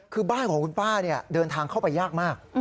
คือบ้านของคุณป้าเดินทางเข้าไปยากมาก